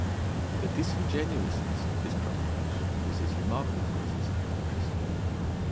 The disingenuousness of this proclamation is as remarkable as its hypocrisy.